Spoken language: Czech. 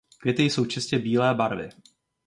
Květy jsou čisté bílé barvy.